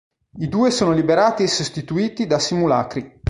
I due sono liberati e sostituiti da simulacri.